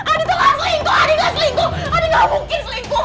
adi tuh selingkuh adi gak selingkuh adi gak mungkin selingkuh